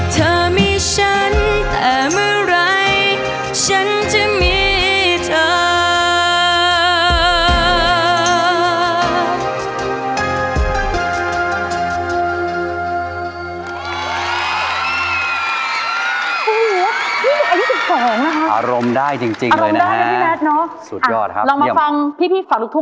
เธอยังมีฉันแต่ไม่รู้ทำไมชีวิตฉันเหมือนไม่มีใครสะโคบ